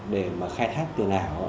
để mà khai thác tiền ảo